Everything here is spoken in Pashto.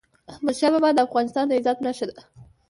احمدشاه بابا د افغانستان د عزت نښه ده.